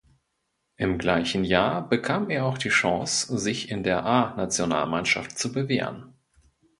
Im gleichen Jahr bekam er auch die Chance, sich in der A-Nationalmannschaft zu bewähren.